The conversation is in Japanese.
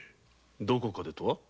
どこかでとは？